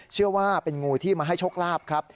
เชื่อว่าเป็นงูที่มาให้โชคลาภครับ